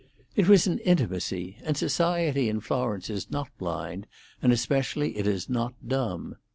It was an intimacy; and society in Florence is not blind, and especially it is not dumb.